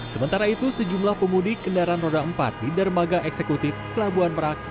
sementara itu sejumlah pemudik kendaraan roda empat di dermaga eksekutif pelabuhan merak